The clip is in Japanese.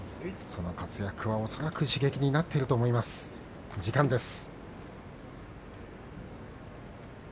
その活躍は恐らく刺激になっていると思います。